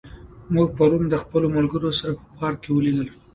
موږ پرون د خپلو ملګرو سره په پارک کې ولیدل.